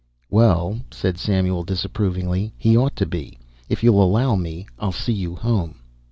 "Well," said Samuel disapprovingly, "he ought to be. If you'll allow me I'll see you home."